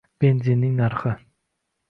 Benzinning narxi